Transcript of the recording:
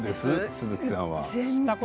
鈴木さんは。